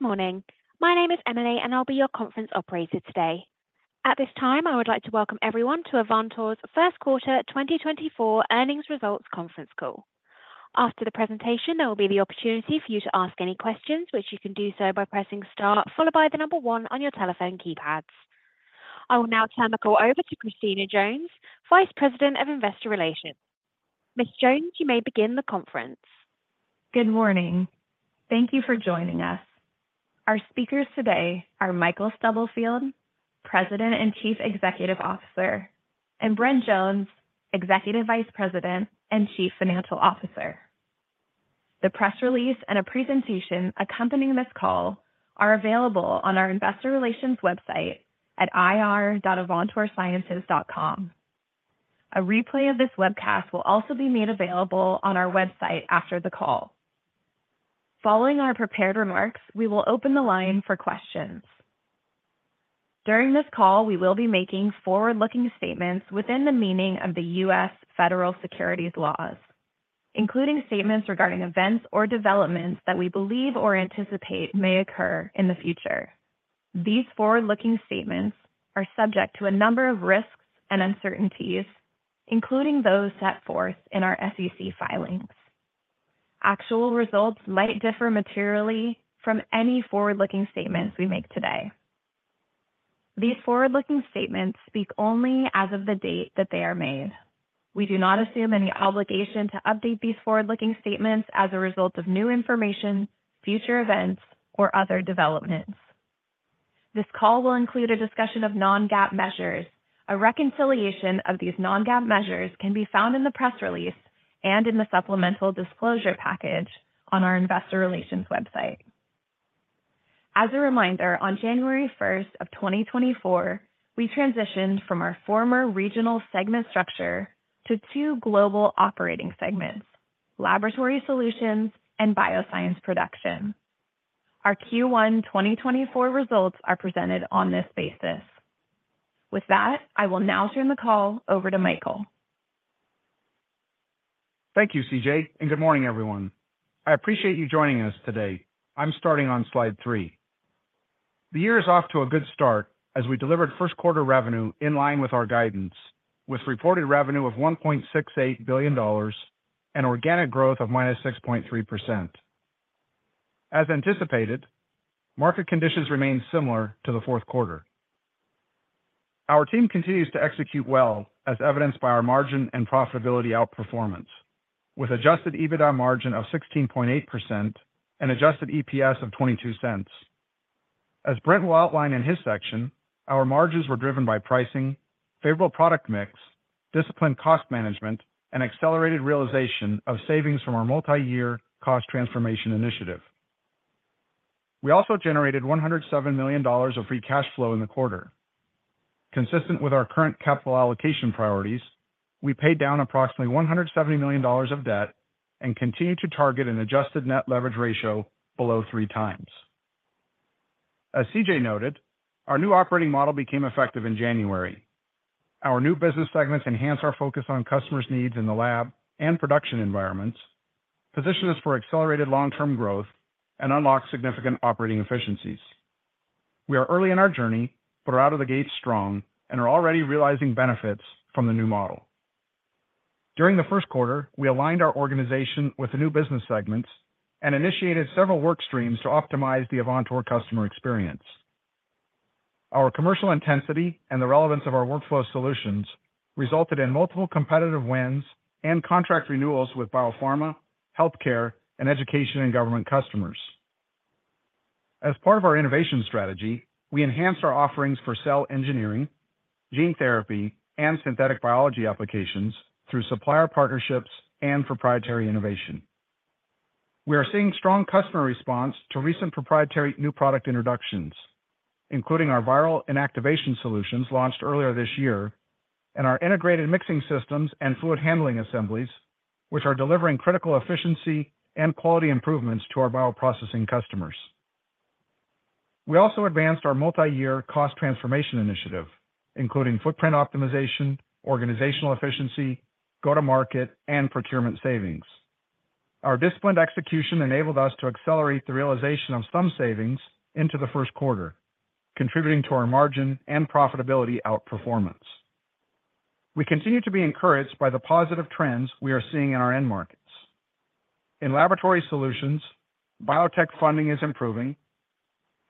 Good morning. My name is Emily, and I'll be your conference operator today. At this time, I would like to welcome everyone to Avantor's first quarter 2024 earnings results conference call. After the presentation, there will be the opportunity for you to ask any questions, which you can do so by pressing star, followed by the number 1 on your telephone keypads. I will now turn the call over to Christina Jones, Vice President of Investor Relations. Ms. Jones, you may begin the conference. Good morning. Thank you for joining us. Our speakers today are Michael Stubblefield, President and Chief Executive Officer, and Brent Jones, Executive Vice President and Chief Financial Officer. The press release and a presentation accompanying this call are available on our investor relations website at ir.avantorsciences.com. A replay of this webcast will also be made available on our website after the call. Following our prepared remarks, we will open the line for questions. During this call, we will be making forward-looking statements within the meaning of the U.S. Federal securities laws, including statements regarding events or developments that we believe or anticipate may occur in the future. These forward-looking statements are subject to a number of risks and uncertainties, including those set forth in our SEC filings. Actual results might differ materially from any forward-looking statements we make today. These forward-looking statements speak only as of the date that they are made. We do not assume any obligation to update these forward-looking statements as a result of new information, future events, or other developments. This call will include a discussion of non-GAAP measures. A reconciliation of these non-GAAP measures can be found in the press release and in the supplemental disclosure package on our investor relations website. As a reminder, on January 1, 2024, we transitioned from our former regional segment structure to two global operating segments, Laboratory Solutions and Bioscience Production. Our Q1 2024 results are presented on this basis. With that, I will now turn the call over to Michael. Thank you, CJ, and good morning, everyone. I appreciate you joining us today. I'm starting on slide three. The year is off to a good start as we delivered first-quarter revenue in line with our guidance, with reported revenue of $1.68 billion and organic growth of -6.3%. As anticipated, market conditions remain similar to the fourth quarter. Our team continues to execute well, as evidenced by our margin and profitability outperformance, with adjusted EBITDA margin of 16.8% and adjusted EPS of $0.22. As Brent will outline in his section, our margins were driven by pricing, favorable product mix, disciplined cost management, and accelerated realization of savings from our multi-year cost transformation initiative. We also generated $107 million of free cash flow in the quarter. Consistent with our current capital allocation priorities, we paid down approximately $170 million of debt and continued to target an adjusted net leverage ratio below 3x. As CJ noted, our new operating model became effective in January. Our new business segments enhance our focus on customers' needs in the lab and production environments, position us for accelerated long-term growth, and unlock significant operating efficiencies. We are early in our journey but are out of the gate strong and are already realizing benefits from the new model. During the first quarter, we aligned our organization with the new business segments and initiated several work streams to optimize the Avantor customer experience. Our commercial intensity and the relevance of our workflow solutions resulted in multiple competitive wins and contract renewals with biopharma, healthcare, and education and government customers. As part of our innovation strategy, we enhanced our offerings for cell engineering, gene therapy, and synthetic biology applications through supplier partnerships and proprietary innovation. We are seeing strong customer response to recent proprietary new product introductions, including our viral inactivation solutions launched earlier this year and our integrated mixing systems and fluid handling assemblies, which are delivering critical efficiency and quality improvements to our bioprocessing customers. We also advanced our multi-year cost transformation initiative, including footprint optimization, organizational efficiency, go-to-market, and procurement savings. Our disciplined execution enabled us to accelerate the realization of some savings into the first quarter, contributing to our margin and profitability outperformance. We continue to be encouraged by the positive trends we are seeing in our end markets. In Laboratory Solutions, biotech funding is improving,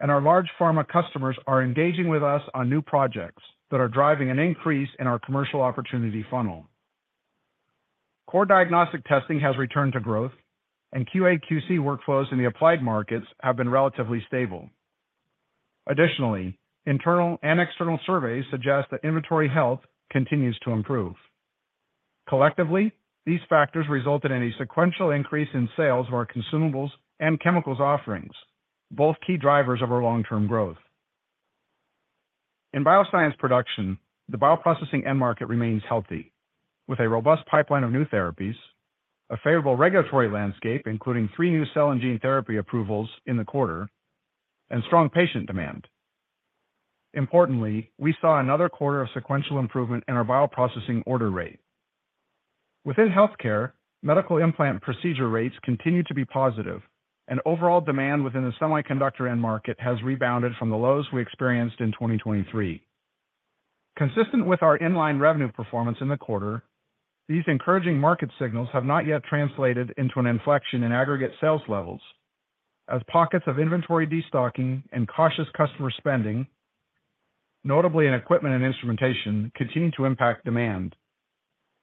and our large pharma customers are engaging with us on new projects that are driving an increase in our commercial opportunity funnel. Core diagnostic testing has returned to growth, and QA/QC workflows in the applied markets have been relatively stable. Additionally, internal and external surveys suggest that inventory health continues to improve. Collectively, these factors result in a sequential increase in sales of our consumables and chemicals offerings, both key drivers of our long-term growth. In Bioscience Production, the Bioprocessing end market remains healthy, with a robust pipeline of new therapies, a favorable regulatory landscape, including three new cell and gene therapy approvals in the quarter, and strong patient demand. Importantly, we saw another quarter of sequential improvement in our Bioprocessing order rate. Within healthcare, medical implant procedure rates continue to be positive, and overall demand within the semiconductor end market has rebounded from the lows we experienced in 2023. Consistent with our in-line revenue performance in the quarter, these encouraging market signals have not yet translated into an inflection in aggregate sales levels, as pockets of inventory destocking and cautious customer spending, notably in equipment and instrumentation, continue to impact demand.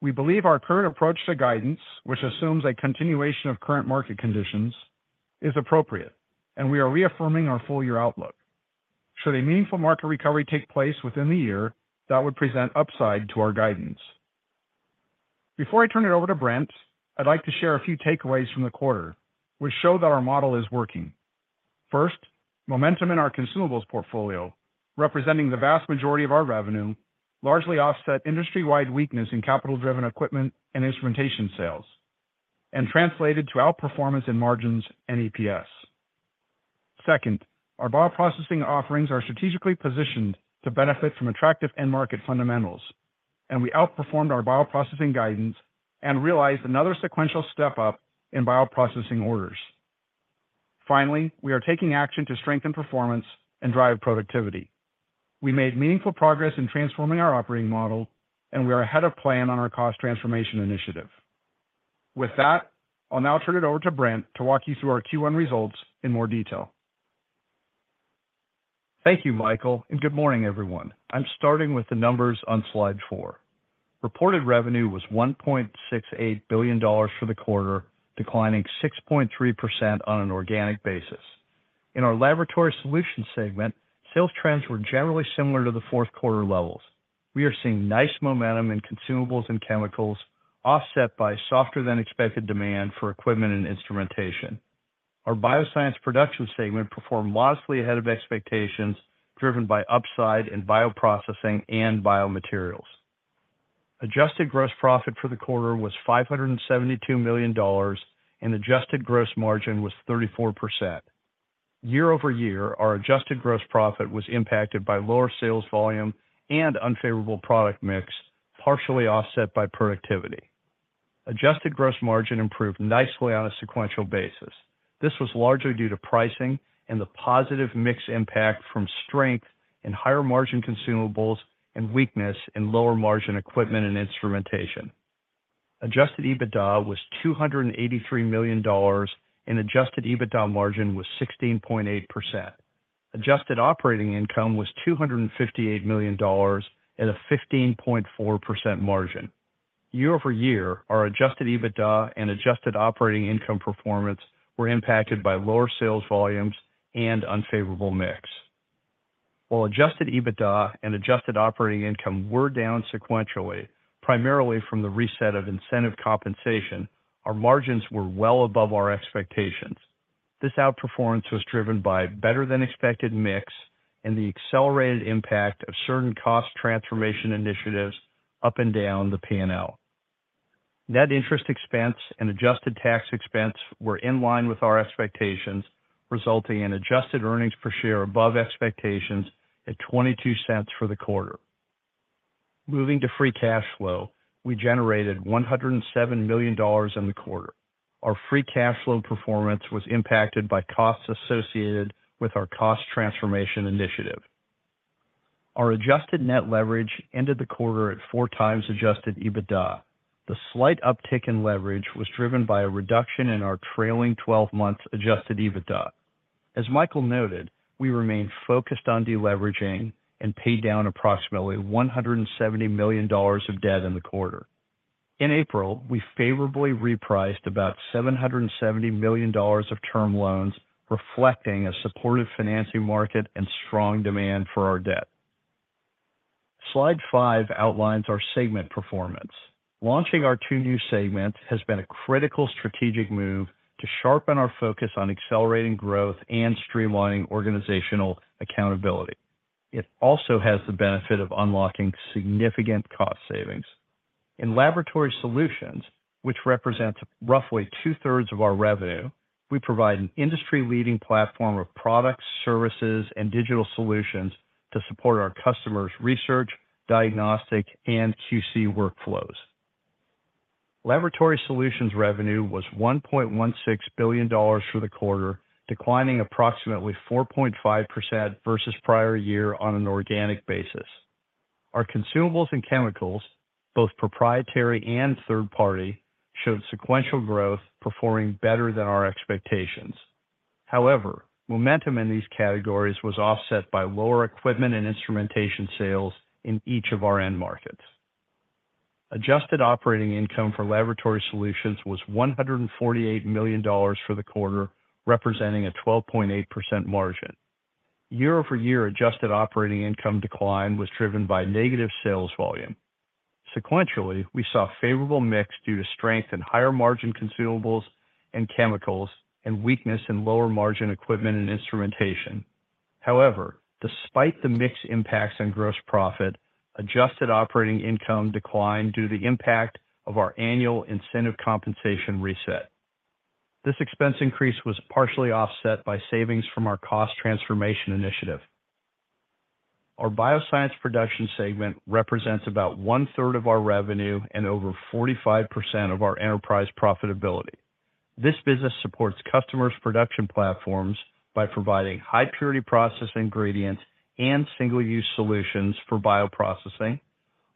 We believe our current approach to guidance, which assumes a continuation of current market conditions, is appropriate, and we are reaffirming our full-year outlook. Should a meaningful market recovery take place within the year, that would present upside to our guidance. Before I turn it over to Brent, I'd like to share a few takeaways from the quarter, which show that our model is working. First, momentum in our consumables portfolio, representing the vast majority of our revenue, largely offset industry-wide weakness in capital-driven equipment and instrumentation sales, and translated to outperformance in margins and EPS. Second, our bioprocessing offerings are strategically positioned to benefit from attractive end-market fundamentals, and we outperformed our bioprocessing guidance and realized another sequential step up in bioprocessing orders. Finally, we are taking action to strengthen performance and drive productivity. We made meaningful progress in transforming our operating model, and we are ahead of plan on our cost transformation initiative. With that, I'll now turn it over to Brent to walk you through our Q1 results in more detail. Thank you, Michael, and good morning, everyone. I'm starting with the numbers on slide 4. Reported revenue was $1.68 billion for the quarter, declining 6.3% on an organic basis. In our Laboratory Solutions segment, sales trends were generally similar to the fourth quarter levels. We are seeing nice momentum in consumables and chemicals, offset by softer-than-expected demand for equipment and instrumentation. Our Bioscience Production segment performed modestly ahead of expectations, driven by upside in bioprocessing and biomaterials. Adjusted gross profit for the quarter was $572 million, and adjusted gross margin was 34%. Year-over-year, our adjusted gross profit was impacted by lower sales volume and unfavorable product mix, partially offset by productivity. Adjusted gross margin improved nicely on a sequential basis. This was largely due to pricing and the positive mix impact from strength in higher margin consumables and weakness in lower margin equipment and instrumentation. Adjusted EBITDA was $283 million, and adjusted EBITDA margin was 16.8%. Adjusted operating income was $258 million at a 15.4% margin. Year-over-year, our adjusted EBITDA and adjusted operating income performance were impacted by lower sales volumes and unfavorable mix. While adjusted EBITDA and adjusted operating income were down sequentially, primarily from the reset of incentive compensation, our margins were well above our expectations. This outperformance was driven by better than expected mix and the accelerated impact of certain cost transformation initiatives up and down the P&L. Net interest expense and adjusted tax expense were in line with our expectations, resulting in adjusted earnings per share above expectations at $0.22 for the quarter. Moving to free cash flow, we generated $107 million in the quarter. Our free cash flow performance was impacted by costs associated with our cost transformation initiative. Our adjusted net leverage ended the quarter at 4x adjusted EBITDA. The slight uptick in leverage was driven by a reduction in our trailing twelve months adjusted EBITDA. As Michael noted, we remain focused on deleveraging and paid down approximately $170 million of debt in the quarter. In April, we favorably repriced about $770 million of term loans, reflecting a supportive financing market and strong demand for our debt. Slide 5 outlines our segment performance. Launching our two new segments has been a critical strategic move to sharpen our focus on accelerating growth and streamlining organizational accountability. It also has the benefit of unlocking significant cost savings. In Laboratory Solutions, which represents roughly two-thirds of our revenue, we provide an industry-leading platform of products, services, and digital solutions to support our customers' research, diagnostic, and QC workflows. Laboratory Solutions revenue was $1.16 billion for the quarter, declining approximately 4.5% versus prior year on an organic basis. Our consumables and chemicals, both proprietary and third-party, showed sequential growth, performing better than our expectations. However, momentum in these categories was offset by lower equipment and instrumentation sales in each of our end markets. Adjusted operating income for Laboratory Solutions was $148 million for the quarter, representing a 12.8% margin. Year-over-year, adjusted operating income decline was driven by negative sales volume. Sequentially, we saw a favorable mix due to strength in higher margin consumables and chemicals and weakness in lower margin equipment and instrumentation. However, despite the mix impacts on gross profit, adjusted operating income declined due to the impact of our annual incentive compensation reset. This expense increase was partially offset by savings from our cost transformation initiative. Our Bioscience Production segment represents about 1/3 of our revenue and over 45% of our enterprise profitability. This business supports customers' production platforms by providing high-purity process ingredients and single-use solutions for bioprocessing,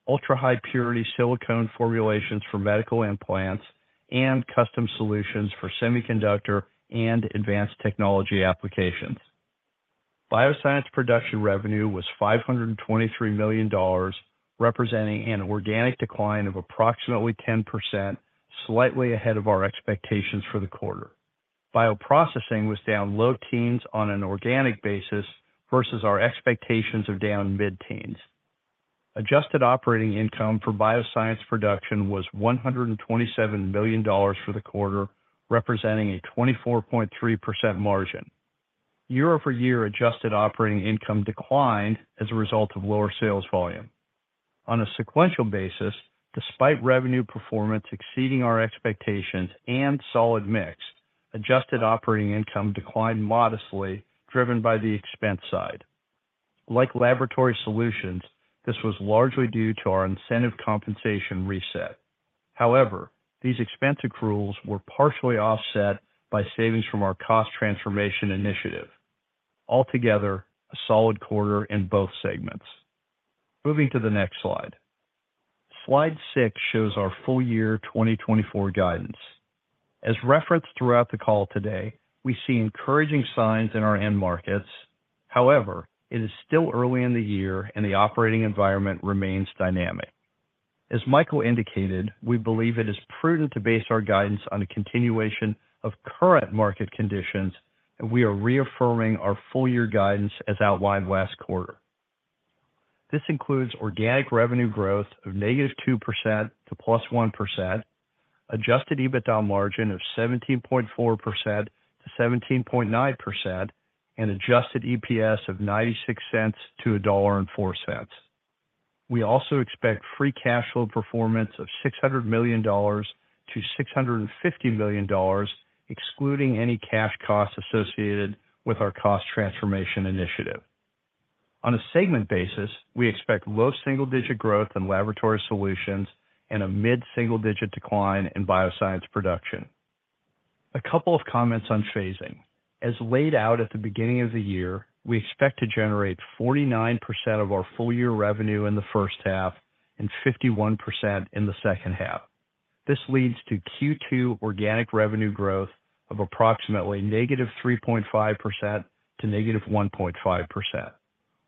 ultra-high purity silicone formulations for medical implants, and custom solutions for semiconductor and advanced technology applications. Bioscience Production revenue was $523 million, representing an organic decline of approximately 10%, slightly ahead of our expectations for the quarter. Bioprocessing was down low teens on an organic basis versus our expectations of down mid-teens. Adjusted operating income for Bioscience Production was $127 million for the quarter, representing a 24.3% margin. Year-over-year adjusted operating income declined as a result of lower sales volume. On a sequential basis, despite revenue performance exceeding our expectations and solid mix, adjusted operating income declined modestly, driven by the expense side. Like Laboratory Solutions, this was largely due to our incentive compensation reset. However, these expense accruals were partially offset by savings from our cost transformation initiative. Altogether, a solid quarter in both segments. Moving to the next slide. Slide 6 shows our full-year 2024 guidance. As referenced throughout the call today, we see encouraging signs in our end markets. However, it is still early in the year and the operating environment remains dynamic. As Michael indicated, we believe it is prudent to base our guidance on a continuation of current market conditions, and we are reaffirming our full-year guidance as outlined last quarter. This includes organic revenue growth of -2% to +1%, adjusted EBITDA margin of 17.4%-17.9%, and adjusted EPS of $0.96-$1.04. We also expect free cash flow performance of $600 million-$650 million, excluding any cash costs associated with our cost transformation initiative. On a segment basis, we expect low single-digit growth in Laboratory Solutions and a mid-single-digit decline in Bioscience Production. A couple of comments on phasing. As laid out at the beginning of the year, we expect to generate 49% of our full-year revenue in the first half and 51% in the second half. This leads to Q2 organic revenue growth of approximately -3.5% to -1.5%.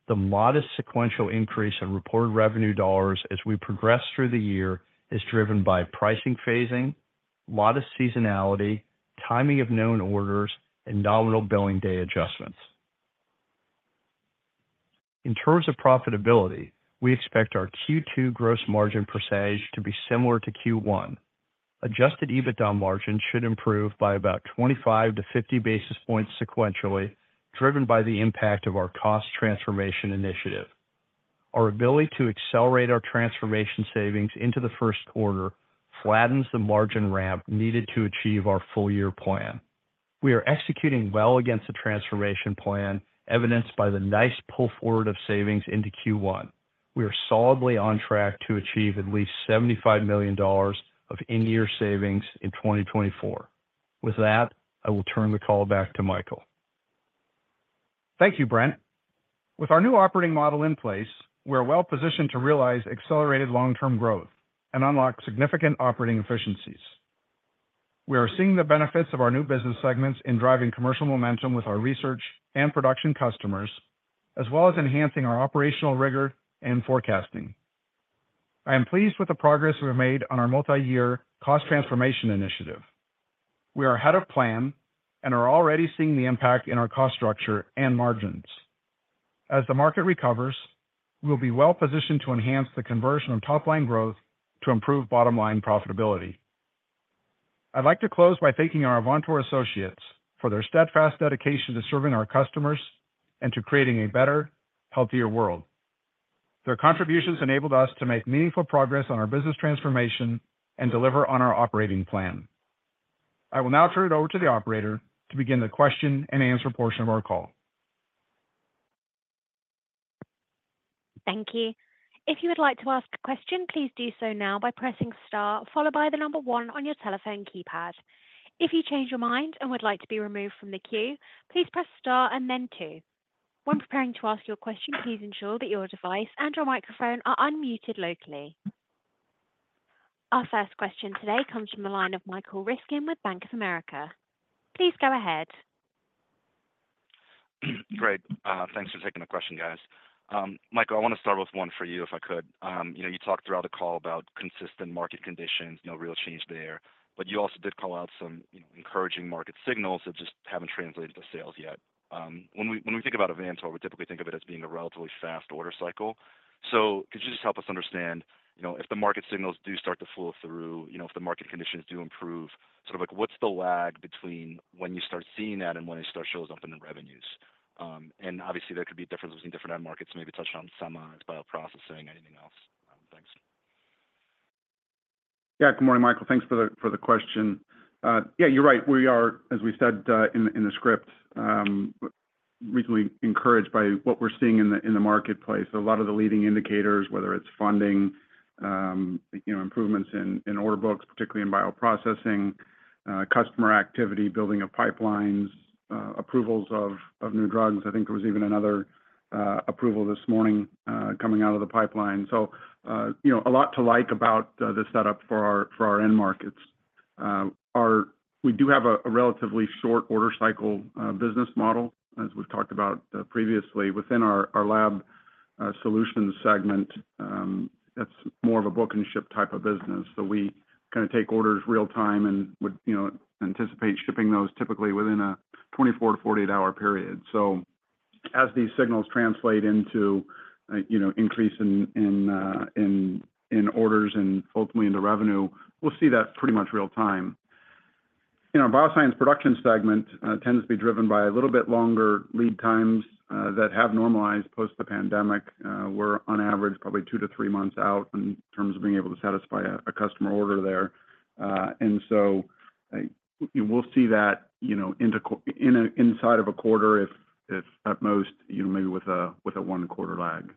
The modest sequential increase in reported revenue dollars as we progress through the year is driven by pricing phasing, modest seasonality, timing of known orders, and nominal billing day adjustments. In terms of profitability, we expect our Q2 gross margin percentage to be similar to Q1. Adjusted EBITDA margin should improve by about 25-50 basis points sequentially, driven by the impact of our cost transformation initiative. Our ability to accelerate our transformation savings into the first quarter flattens the margin ramp needed to achieve our full-year plan. We are executing well against the transformation plan, evidenced by the nice pull forward of savings into Q1. We are solidly on track to achieve at least $75 million of in-year savings in 2024. With that, I will turn the call back to Michael. Thank you, Brent. With our new operating model in place, we are well-positioned to realize accelerated long-term growth and unlock significant operating efficiencies. We are seeing the benefits of our new business segments in driving commercial momentum with our research and production customers, as well as enhancing our operational rigor and forecasting. I am pleased with the progress we've made on our multi-year cost transformation initiative. We are ahead of plan and are already seeing the impact in our cost structure and margins. As the market recovers, we'll be well-positioned to enhance the conversion of top-line growth to improve bottom-line profitability. I'd like to close by thanking our Avantor associates for their steadfast dedication to serving our customers and to creating a better, healthier world. Their contributions enabled us to make meaningful progress on our business transformation and deliver on our operating plan. I will now turn it over to the operator to begin the question and answer portion of our call. Thank you. If you would like to ask a question, please do so now by pressing Star, followed by the number one on your telephone keypad. If you change your mind and would like to be removed from the queue, please press Star and then two. When preparing to ask your question, please ensure that your device and your microphone are unmuted locally. Our first question today comes from the line of Michael Ryskin with Bank of America. Please go ahead. Great. Thanks for taking the question, guys. Michael, I want to start with one for you, if I could. You know, you talked throughout the call about consistent market conditions, no real change there, but you also did call out some, you know, encouraging market signals that just haven't translated to sales yet. When we think about Avantor, we typically think of it as being a relatively fast order cycle. So could you just help us understand, you know, if the market signals do start to flow through, you know, if the market conditions do improve, sort of like, what's the lag between when you start seeing that and when it starts showing up in the revenues? And obviously, there could be differences in different end markets. Maybe touch on some, it's bioprocessing, anything else? Yeah, good morning, Michael. Thanks for the question. Yeah, you're right. We are, as we said, in the script, recently encouraged by what we're seeing in the marketplace. A lot of the leading indicators, whether it's funding, you know, improvements in order books, particularly in bioprocessing, customer activity, building of pipelines, approvals of new drugs. I think there was even another approval this morning, coming out of the pipeline. So, you know, a lot to like about the setup for our end markets. Our—we do have a relatively short order cycle business model, as we've talked about, previously. Within our Lab Solutions segment, that's more of a book and ship type of business. So we kinda take orders real time and would, you know, anticipate shipping those typically within a 24-48-hour period. So as these signals translate into, you know, increase in orders and ultimately into revenue, we'll see that pretty much real time. You know, our Bioscience Production segment tends to be driven by a little bit longer lead times that have normalized post the pandemic. We're on average, probably 2-3 months out in terms of being able to satisfy a customer order there. And so, you will see that, you know, inside of a quarter, if at most, you know, maybe with a one-quarter lag.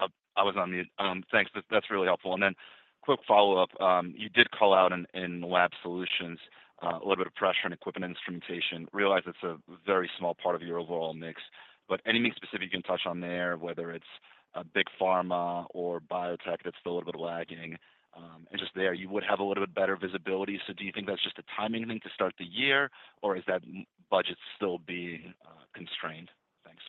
I was on mute. Thanks, that, that's really helpful. And then quick follow-up. You did call out in Lab Solutions a little bit of pressure on equipment instrumentation. Realize it's a very small part of your overall mix, but anything specific you can touch on there, whether it's a big pharma or biotech that's still a little bit lagging, and just there, you would have a little bit better visibility. So do you think that's just a timing thing to start the year, or is that budget still being constrained? Thanks.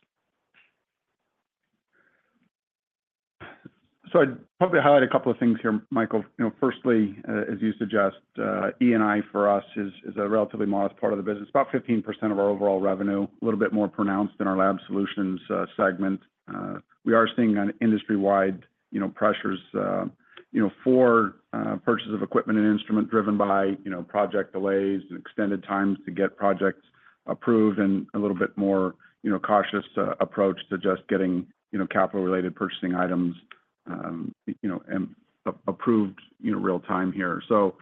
So I'd probably highlight a couple of things here, Michael. You know, firstly, as you suggest, E&I for us is, is a relatively modest part of the business, about 15% of our overall revenue, a little bit more pronounced in our Lab Solutions segment. We are seeing an industry-wide, you know, pressures, you know, for purchase of equipment and instrument driven by, you know, project delays and extended times to get projects approved, and a little bit more, you know, cautious approach to just getting, you know, capital-related purchasing items, and approved, you know, real time here. So,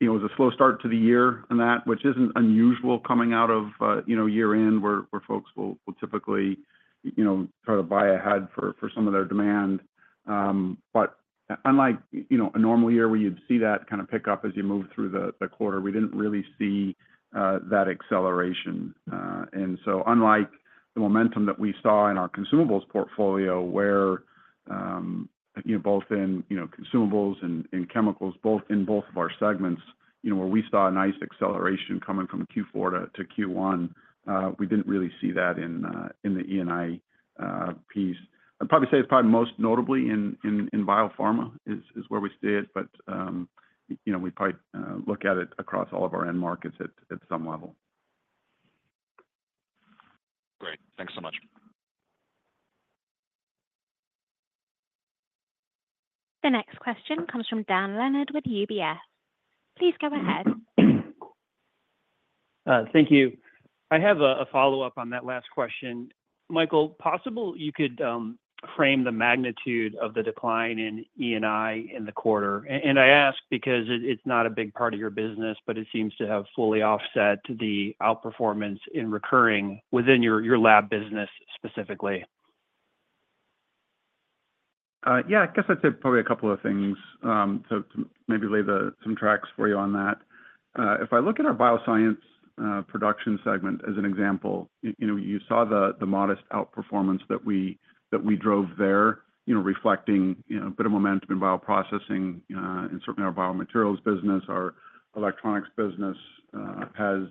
it was a slow start to the year and that, which isn't unusual coming out of, you know, year-end, where folks will typically, you know, try to buy ahead for some of their demand. But unlike, you know, a normal year where you'd see that kind of pick up as you move through the, the quarter, we didn't really see that acceleration. And so unlike the momentum that we saw in our consumables portfolio, where, you know, both in, you know, consumables and in chemicals, both in both of our segments, you know, where we saw a nice acceleration coming from Q4 to Q1, we didn't really see that in, in the E&I piece. I'd probably say it's probably most notably in biopharma is where we see it, but, you know, we probably look at it across all of our end markets at some level. Great. Thanks so much. The next question comes from Dan Leonard with UBS. Please go ahead. Thank you. I have a follow-up on that last question. Michael, possible you could frame the magnitude of the decline in E&I in the quarter? And I ask because it's not a big part of your business, but it seems to have fully offset the outperformance in recurring within your lab business, specifically. Yeah, I guess I'd say probably a couple of things, so to maybe lay some tracks for you on that. If I look at our Bioscience Production segment as an example, you know, you saw the modest outperformance that we drove there, you know, reflecting, you know, a bit of momentum in bioprocessing, and certainly our biomaterials business. Our electronics business has,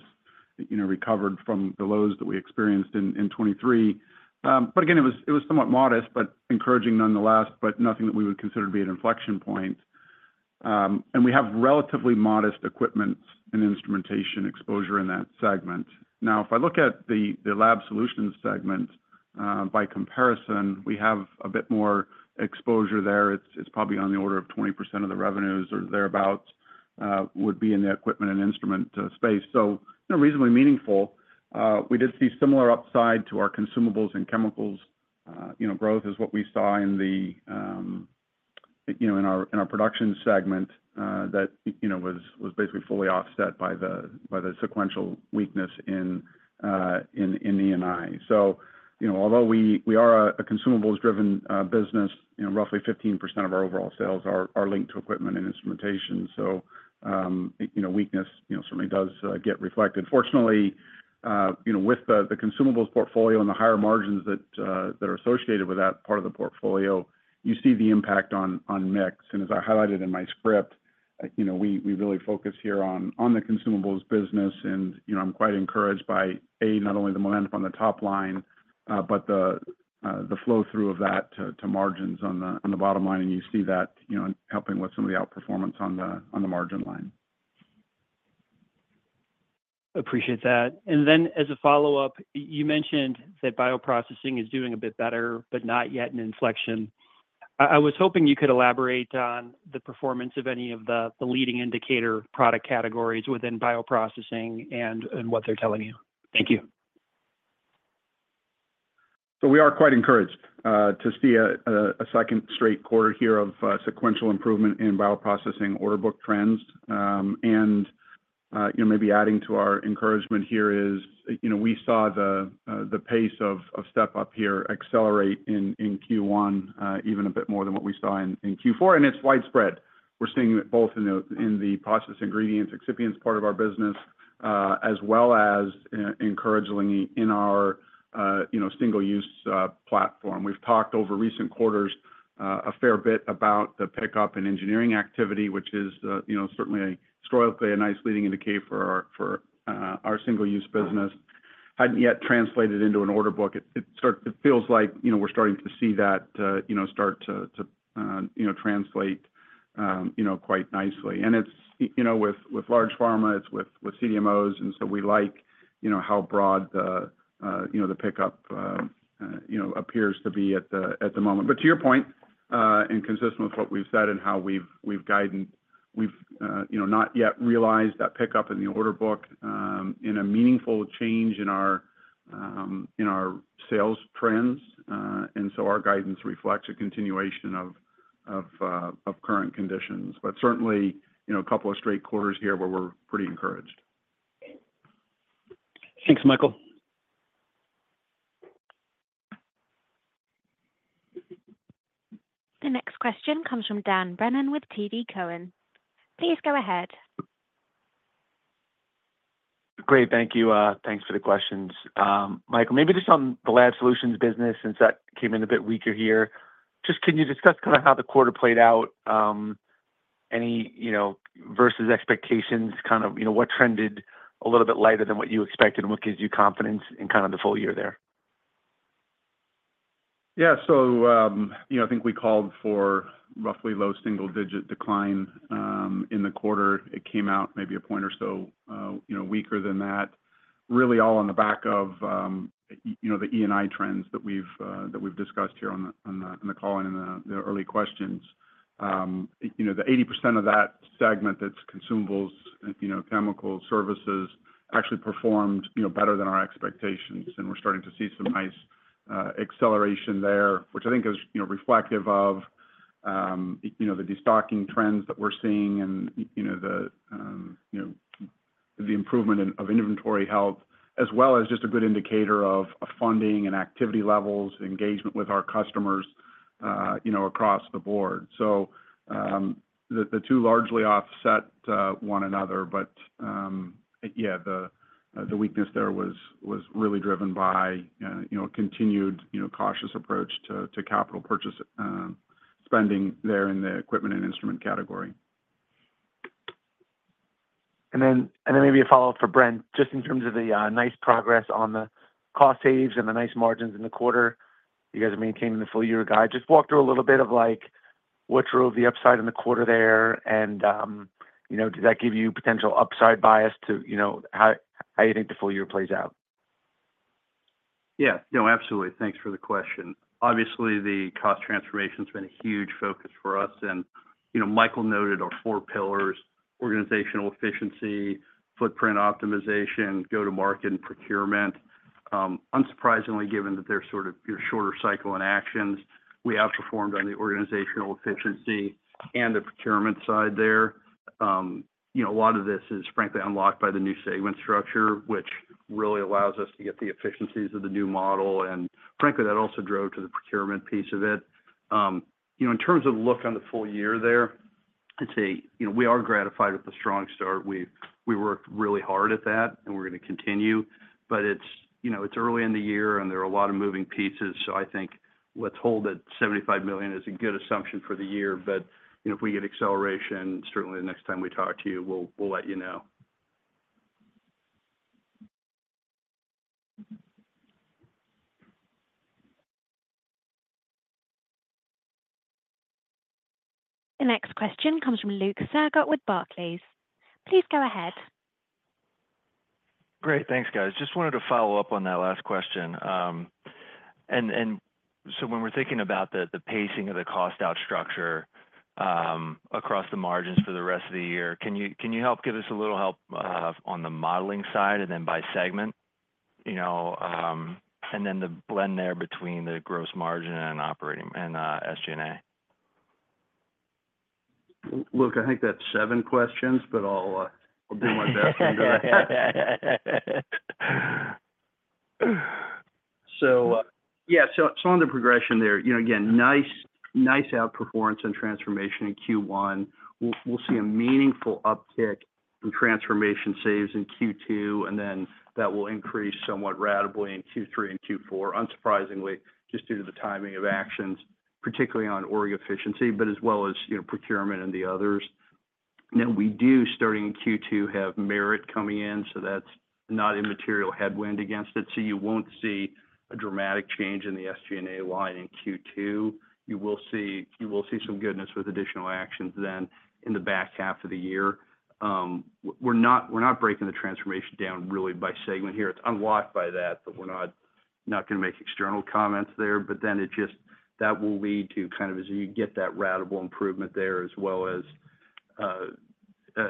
you know, recovered from the lows that we experienced in 2023. But again, it was somewhat modest, but encouraging nonetheless, but nothing that we would consider to be an inflection point. And we have relatively modest equipment and instrumentation exposure in that segment. Now, if I look at the Laboratory Solutions segment, by comparison, we have a bit more exposure there. It's probably on the order of 20% of the revenues or thereabout would be in the equipment and instrument space. So, you know, reasonably meaningful. We did see similar upside to our consumables and chemicals, you know, growth is what we saw in the, you know, in our, in our Production segment, that, you know, was, was basically fully offset by the, by the sequential weakness in, in E&I. So, you know, although we, we are a, a consumables-driven business, you know, roughly 15% of our overall sales are, are linked to equipment and instrumentation. So, you know, weakness, you know, certainly does get reflected. Fortunately, you know, with the, the consumables portfolio and the higher margins that, that are associated with that part of the portfolio, you see the impact on mix. As I highlighted in my script, you know, we really focus here on the consumables business. You know, I'm quite encouraged by A, not only the momentum on the top line, but the flow-through of that to margins on the bottom line. You see that, you know, helping with some of the outperformance on the margin line. Appreciate that. And then, as a follow-up, you mentioned that bioprocessing is doing a bit better, but not yet an inflection. I was hoping you could elaborate on the performance of any of the leading indicator product categories within bioprocessing and what they're telling you. Thank you. So we are quite encouraged to see a second straight quarter here of sequential improvement in bioprocessing order book trends. And you know, maybe adding to our encouragement here is, you know, we saw the pace of step-up here accelerate in Q1, even a bit more than what we saw in Q4, and it's widespread. We're seeing it both in the process ingredients, excipients part of our business, as well as encouraging in our, you know, single-use platform. We've talked over recent quarters a fair bit about the pickup in engineering activity, which is, you know, certainly historically, a nice leading indicator for our single-use business. Hadn't yet translated into an order book. It feels like, you know, we're starting to see that, you know, start to translate, you know, quite nicely. And it's, you know, with large pharma, it's with CDMOs, and so we like, you know, how broad the, you know, the pickup, you know, appears to be at the moment. But to your point, and consistent with what we've said and how we've guided, we've, you know, not yet realized that pickup in the order book, in a meaningful change in our, in our sales trends, and so our guidance reflects a continuation of current conditions. But certainly, you know, a couple of straight quarters here where we're pretty encouraged. Thanks, Michael. The next question comes from Dan Brennan with TD Cowen. Please go ahead. Great, thank you. Thanks for the questions. Michael, maybe just on the Lab Solutions business, since that came in a bit weaker here. Just can you discuss kind of how the quarter played out? Any, you know, versus expectations, kind of, you know, what trended a little bit lighter than what you expected and what gives you confidence in kind of the full year there? Yeah. So, you know, I think we called for roughly low single-digit decline in the quarter. It came out maybe a point or so, you know, weaker than that. Really all on the back of, you know, the E&I trends that we've discussed here on the call and in the early questions. You know, the 80% of that segment that's consumables, you know, chemical services, actually performed, you know, better than our expectations, and we're starting to see some nice acceleration there, which I think is, you know, reflective of, you know, the destocking trends that we're seeing and, you know, the improvement of inventory health, as well as just a good indicator of funding and activity levels, engagement with our customers, you know, across the board. So, the two largely offset one another, but yeah, the weakness there was really driven by, you know, continued cautious approach to capital purchase spending there in the equipment and instrument category. And then maybe a follow-up for Brent, just in terms of the nice progress on the cost saves and the nice margins in the quarter, you guys are maintaining the full year guide. Just walk through a little bit of, like, what drove the upside in the quarter there, and, you know, did that give you potential upside bias to, you know, how, how you think the full year plays out? Yeah. No, absolutely. Thanks for the question. Obviously, the cost transformation has been a huge focus for us, and, you know, Michael noted our four pillars: organizational efficiency, footprint optimization, go-to-market, and procurement. Unsurprisingly, given that they're sort of your shorter cycle in actions, we outperformed on the organizational efficiency and the procurement side there. You know, a lot of this is frankly unlocked by the new segment structure, which really allows us to get the efficiencies of the new model, and frankly, that also drove to the procurement piece of it. You know, in terms of outlook on the full year there, I'd say, you know, we are gratified with the strong start. We, we worked really hard at that, and we're going to continue. But it's, you know, it's early in the year, and there are a lot of moving pieces. I think let's hold it. $75 million is a good assumption for the year, but, you know, if we get acceleration, certainly the next time we talk to you, we'll let you know. The next question comes from Luke Sergott with Barclays. Please go ahead. Great. Thanks, guys. Just wanted to follow up on that last question. And so when we're thinking about the pacing of the cost out structure across the margins for the rest of the year, can you help give us a little help on the modeling side, and then by segment? You know, and then the blend there between the gross margin and operating and SG&A. Luke, I think that's seven questions, but I'll do my best. So, yeah. So on the progression there, you know, again, nice outperformance and transformation in Q1. We'll see a meaningful uptick in transformation saves in Q2, and then that will increase somewhat ratably in Q3 and Q4, unsurprisingly, just due to the timing of actions, particularly on org efficiency, but as well as, you know, procurement and the others. Then we do, starting in Q2, have merit coming in, so that's not a material headwind against it. So you won't see a dramatic change in the SG&A line in Q2. You will see some goodness with additional actions then in the back half of the year. We're not breaking the transformation down really by segment here. It's unlocked by that, but we're not gonna make external comments there. But then it just, that will lead to kind of as you get that ratable improvement there, as well as,... as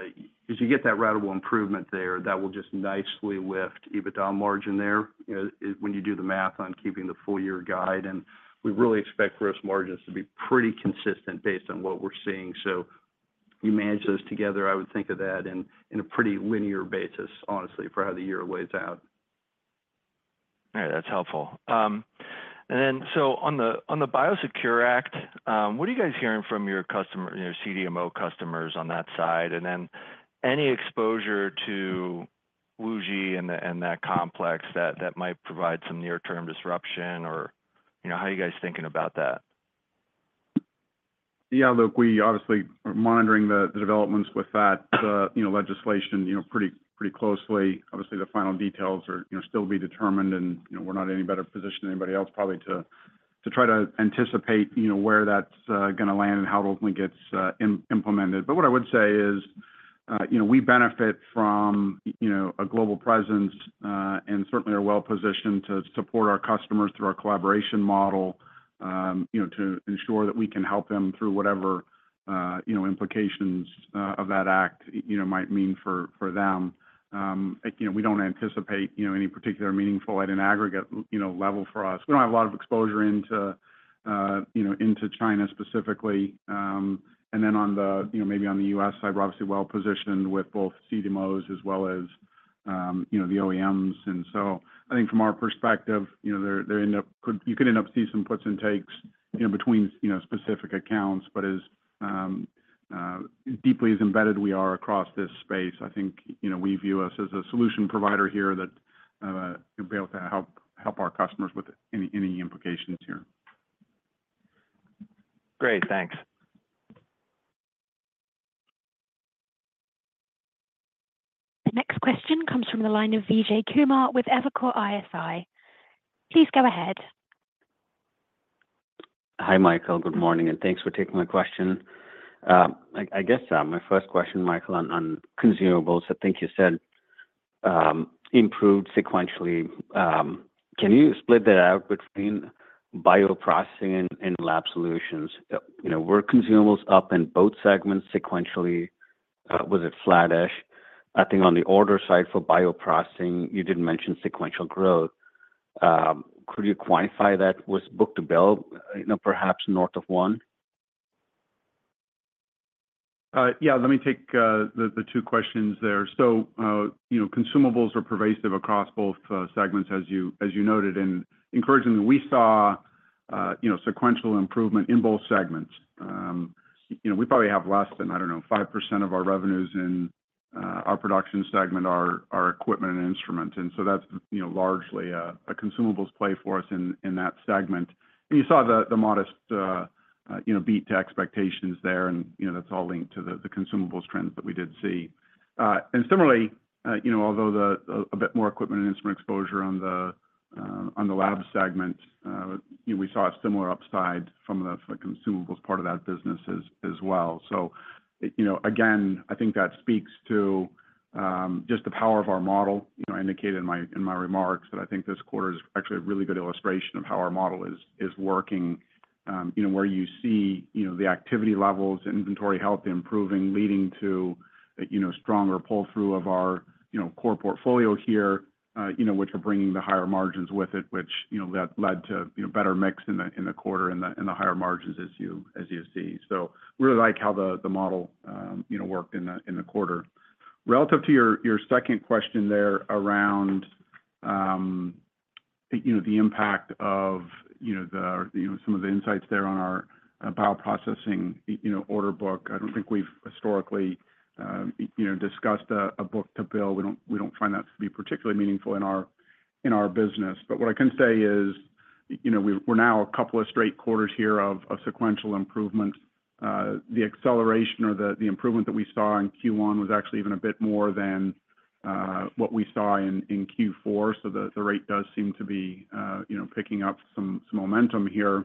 you get that ratable improvement there, that will just nicely lift EBITDA margin there. You know, when you do the math on keeping the full year guide, and we really expect gross margins to be pretty consistent based on what we're seeing. So if you manage those together, I would think of that in a pretty linear basis, honestly, for how the year lays out. All right, that's helpful. And then so on the, on the Biosecure Act, what are you guys hearing from your customer, your CDMO customers on that side? And then any exposure to WuXi and the, and that complex that, that might provide some near-term disruption, or, you know, how are you guys thinking about that? Yeah, look, we obviously are monitoring the developments with that legislation, you know, pretty closely. Obviously, the final details are, you know, still be determined, and, you know, we're not in any better position than anybody else, probably, to try to anticipate, you know, where that's gonna land and how it ultimately gets implemented. But what I would say is, you know, we benefit from a global presence, and certainly are well-positioned to support our customers through our collaboration model, you know, to ensure that we can help them through whatever implications of that act, you know, might mean for them. You know, we don't anticipate any particular meaningful at an aggregate level for us. We don't have a lot of exposure into, you know, into China specifically. And then on the, you know, maybe on the U.S. side, we're obviously well-positioned with both CDMOs as well as, you know, the OEMs. And so I think from our perspective, you know, you could end up seeing some puts and takes, you know, between, you know, specific accounts, but as deeply embedded as we are across this space, I think, you know, we view us as a solution provider here that will be able to help our customers with any implications here. Great, thanks. The next question comes from the line of Vijay Kumar with Evercore ISI. Please go ahead. Hi, Michael. Good morning, and thanks for taking my question. I guess my first question, Michael, on consumables. I think you said improved sequentially. Can you split that out between Bioprocessing and Lab Solutions? You know, were consumables up in both segments sequentially? Was it flattish? I think on the order side for Bioprocessing, you did mention sequential growth. Could you quantify that? Was book-to-bill, you know, perhaps north of one? Yeah, let me take the two questions there. So, you know, consumables are pervasive across both segments, as you noted. And encouragingly, we saw you know, sequential improvement in both segments. You know, we probably have less than, I don't know, 5% of our revenues in our production segment are equipment and instruments. And so that's you know, largely a consumables play for us in that segment. And you saw the modest you know, beat to expectations there, and you know, that's all linked to the consumables trends that we did see. And similarly, you know, although a bit more equipment and instrument exposure on the lab segment, you know, we saw a similar upside from the consumables part of that business as well. So, you know, again, I think that speaks to just the power of our model. You know, I indicated in my remarks that I think this quarter is actually a really good illustration of how our model is working. You know, where you see the activity levels, inventory health improving, leading to stronger pull-through of our core portfolio here, you know, which are bringing the higher margins with it, which, you know, that led to better mix in the quarter and the higher margins as you see. So really like how the model, you know, worked in the quarter. Relative to your second question there around, you know, the you know, some of the insights there on our bioprocessing, you know, order book, I don't think we've historically, you know, discussed a book-to-bill. We don't, we don't find that to be particularly meaningful in our business. But what I can say is, you know, we're now a couple of straight quarters here of sequential improvements. The acceleration or the improvement that we saw in Q1 was actually even a bit more than what we saw in Q4. So the rate does seem to be, you know, picking up some momentum here.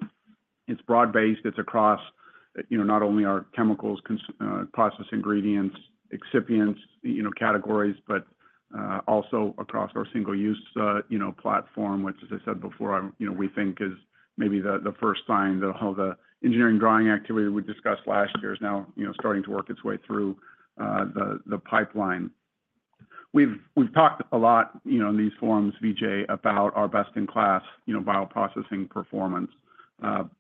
It's broad-based. It's across, you know, not only our chemicals, process ingredients, excipients, you know, categories, but also across our single-use, you know, platform, which, as I said before, you know, we think is maybe the first sign that how the engineering drawing activity we discussed last year is now, you know, starting to work its way through the pipeline. We've talked a lot, you know, in these forums, Vijay, about our best-in-class, you know, bioprocessing performance,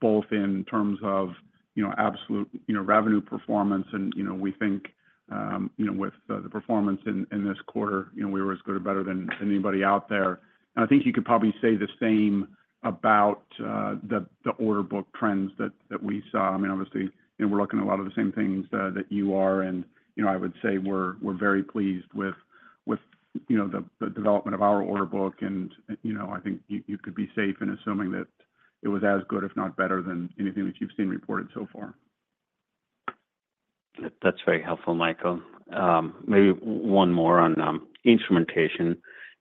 both in terms of, you know, absolute, you know, revenue performance. You know, we think with the performance in this quarter, you know, we were as good or better than anybody out there. I think you could probably say the same about the order book trends that we saw. I mean, obviously, you know, we're looking at a lot of the same things that you are, and, you know, I would say we're very pleased with, you know, the development of our order book, and, you know, I think you could be safe in assuming that it was as good, if not better than anything that you've seen reported so far. That's very helpful, Michael. Maybe one more on instrumentation.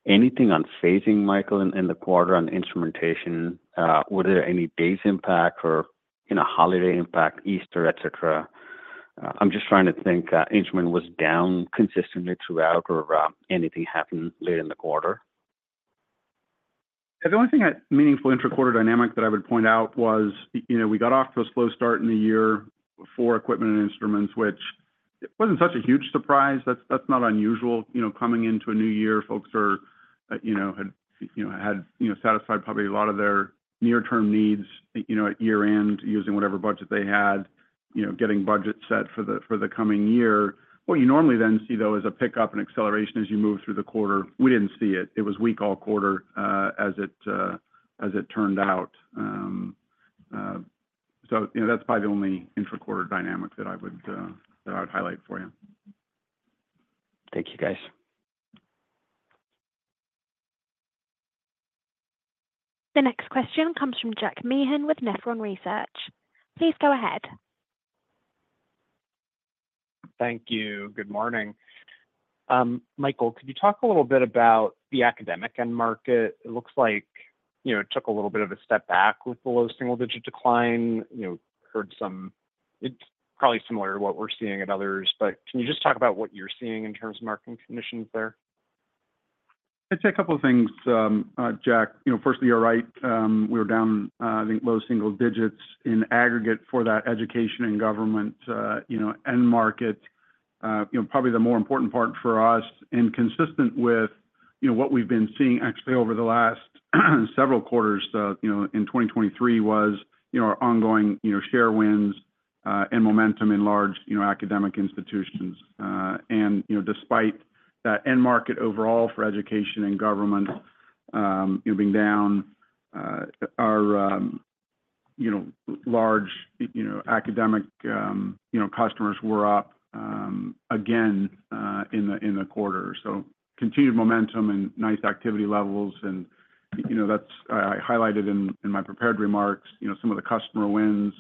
Anything on phasing, Michael, in the quarter on instrumentation? Were there any days impact or, you know, holiday impact, Easter, et cetera? I'm just trying to think, instrument was down consistently throughout or anything happened late in the quarter? The only thing meaningful intra-quarter dynamic that I would point out was, you know, we got off to a slow start in the year for equipment and instruments, which it wasn't such a huge surprise. That's not unusual. You know, coming into a new year, folks are, you know, had satisfied probably a lot of their near-term needs, you know, at year-end, using whatever budget they had, you know, getting budgets set for the coming year. What you normally then see, though, is a pickup in acceleration as you move through the quarter. We didn't see it. It was weak all quarter, as it turned out. So, you know, that's probably the only intra-quarter dynamic that I would highlight for you. Thank you, guys. The next question comes from Jack Meehan with Nephron Research. Please go ahead. Thank you. Good morning. Michael, could you talk a little bit about the academic end market? It looks like, you know, it took a little bit of a step back with the low double single-digit decline. You know, heard some. It's probably similar to what we're seeing at others, but can you just talk about what you're seeing in terms of market conditions there? I'd say a couple of things, Jack. You know, firstly, you're right, we were down, I think, low single digits in aggregate for that education and government, you know, end market. You know, probably the more important part for us and consistent with, you know, what we've been seeing actually over the last several quarters, you know, in 2023 was, you know, our ongoing, you know, share wins, and momentum in large, you know, academic institutions. And, you know, despite that end market overall for education and government, being down, our, you know, large, you know, academic, you know, customers were up, again, in the quarter. So continued momentum and nice activity levels, and, you know, that's, I highlighted in my prepared remarks, you know, some of the customer wins,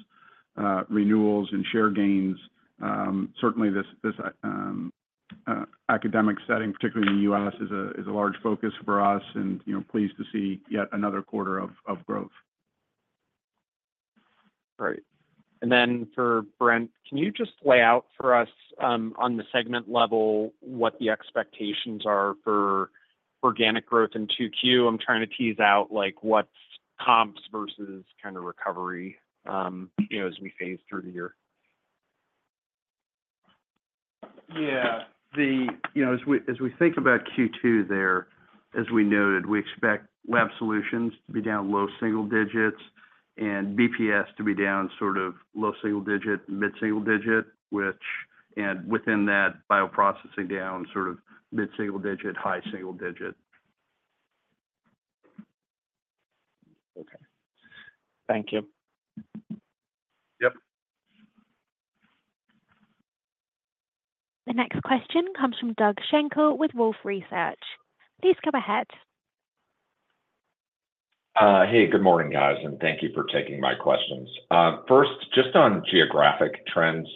renewals, and share gains. Certainly, this academic setting, particularly in the U.S., is a large focus for us, and, you know, pleased to see yet another quarter of growth. Great. And then for Brent, can you just lay out for us, on the segment level, what the expectations are for organic growth in 2Q? I'm trying to tease out, like, what's comps versus kind of recovery, you know, as we phase through the year. Yeah. You know, as we, as we think about Q2 there, as we noted, we expect Lab Solutions to be down low single digits, and basis points to be down sort of low single digit, mid single digit, and within that, bioprocessing down, sort of mid single digit, high single digit. Okay. Thank you. Yep. The next question comes from Doug Schenkel with Wolfe Research. Please go ahead. Hey, good morning, guys, and thank you for taking my questions. First, just on geographic trends,